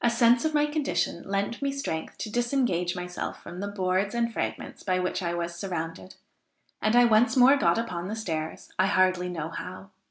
A sense of my condition lent me strength to disengage myself from the boards and fragments by which I was surrounded, and I once more got upon the stairs, I hardly know how.